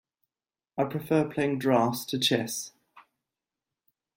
I prefer playing draughts to chess